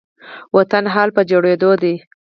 وطن حال په جوړيدو دي